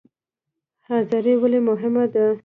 حاضري ولې مهمه ده؟